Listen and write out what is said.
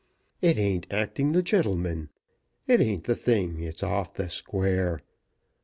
It ain't acting the gentleman; it ain't the thing; it's off the square.